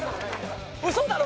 ウソだろ？